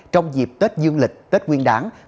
trong dịp tết dương lịch tết nguyên đáng